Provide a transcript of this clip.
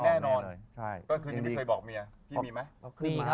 เกียรติมีเค้าบอกเมีย